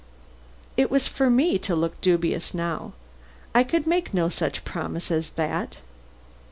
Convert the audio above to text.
It was for me to look dubious now. I could make no such promise as that.